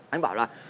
anh bảo là